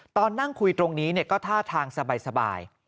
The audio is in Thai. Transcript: ตอนนั่งคุยตรงนี้ก็ท่าทางสบาย